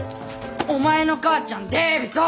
お前の母ちゃんでべそ！